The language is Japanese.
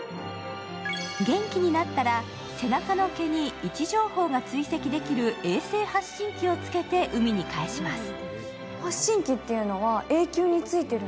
元気になったら、背中の毛に位置情報が追跡できる衛星発信器を付けて海に返します。